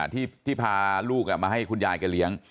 ที่พาลูกมาให้คุณยายแกเลี้ยง